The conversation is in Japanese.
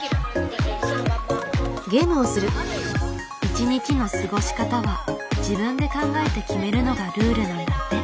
一日の過ごし方は自分で考えて決めるのがルールなんだって。